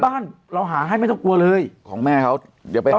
บ้านเราหาให้ไม่ต้องกลัวเลยของแม่เขาเดี๋ยวไปหา